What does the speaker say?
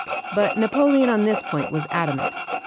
But Napoleon on this point was adamant.